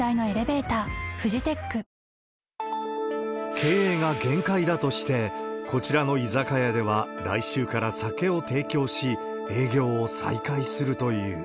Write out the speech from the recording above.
経営が限界だとして、こちらの居酒屋では来週から酒を提供し、営業を再開するという。